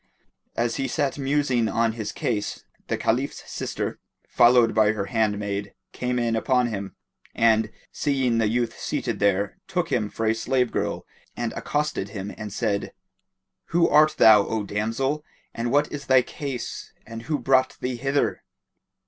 As he sat musing on his case, the Caliph's sister, followed by her handmaid, came in upon him; and, seeing the youth seated there took him for a slave girl and accosted him and said, "Who art thou O damsel? and what is thy case and who brought thee hither?"